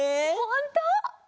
ほんと！